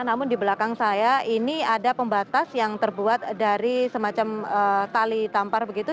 namun di belakang saya ini ada pembatas yang terbuat dari semacam tali tampar begitu